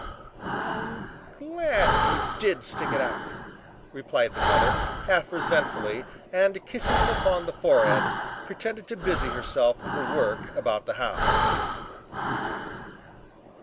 "I'm glad you did stick it out," replied the mother, half resentfully, and kissing him upon the forehead pretended to busy herself with the work about the house.